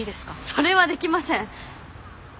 それはできません。